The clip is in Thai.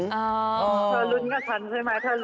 ถ้ารนกับฉันใช่ไหม